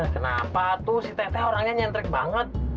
kenapa tuh si teh teh orangnya nyentrik banget